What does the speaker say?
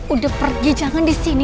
udah pergi jangan disini